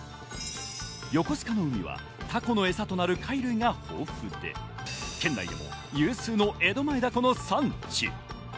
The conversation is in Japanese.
横須賀の海はタコのえさとなる貝類が豊富で、県内でも有数の江戸前ダコの産地。